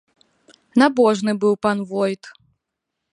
Набожны быў пан войт.